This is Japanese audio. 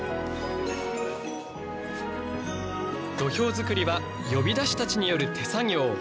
土俵作りは呼出たちによる手作業。